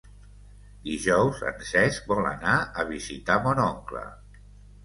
Dijous en Cesc vol anar a visitar mon oncle.